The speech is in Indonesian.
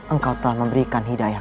engkau telah memberikan hidayah